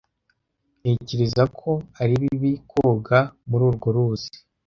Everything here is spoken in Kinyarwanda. Ntekereza ko ari bibi koga muri urwo ruzi.